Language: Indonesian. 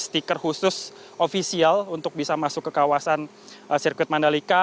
stiker khusus ofisial untuk bisa masuk ke kawasan sirkuit mandalika